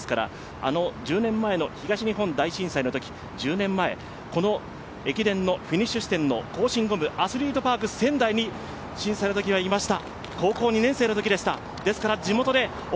常盤木学園高校の出身ですから、あの１０年前の東日本大震災のとき、１０年前、この駅伝のフィニッシュ地点の弘進ゴムアスリートパーク仙台に震災のときはいました。